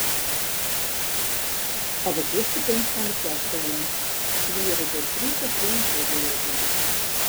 Op it hichtepunt fan de foarstelling swiere der tritich dûnsers oer it iis.